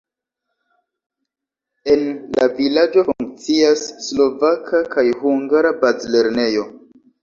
En la vilaĝo funkcias slovaka kaj hungara bazlernejo.